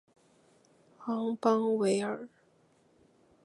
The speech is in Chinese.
昂邦维尔。